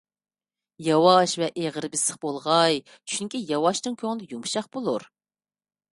ياۋاش ۋە ئېغىر - بېسىق بولغاي، چۈنكى ياۋاشنىڭ كۆڭلى يۇمشاق بولۇر.